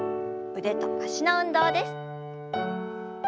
腕と脚の運動です。